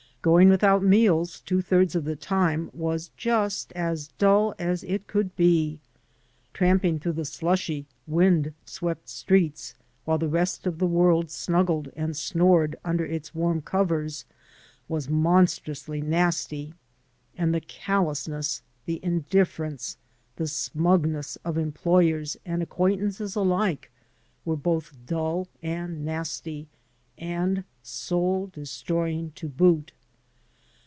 Going without meals two thirds of the time was just as dull as it could be; tramping through the slushy, wind swept streets while the rest of the world snuggled and snored under its warm covers was monstrously nasty; and the callous ness, the indiflference, the smugness of employers and 111 AN AMERICAN IN THE MAKING acquaintances alike were both dull and nasty, and soul destroying to boot.